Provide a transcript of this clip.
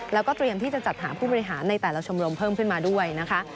แล้วก็เตรียมที่จะจัดหาผู้บริหารในแต่ละชมรมเพิ่มขึ้นมาด้วยนะคะ